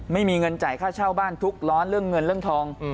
ไม่มีเงินจ่ายค่าเช่าบ้านทุกข์ร้อนเรื่องเงินเรื่องทอง